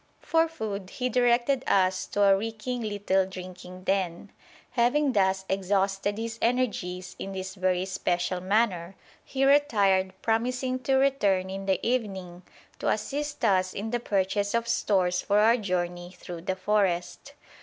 For food he directed us to a reeking little drinking den. Having thus exhausted his energies in this "very special manner," he retired, promising to return in the evening to assist us in the purchase of stores for our journey through the forest.